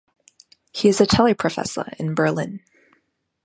He is a cello professor in Berlin.